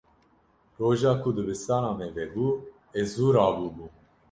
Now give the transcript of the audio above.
Roja ku dibistana me vebû, ez zû rabûbûm.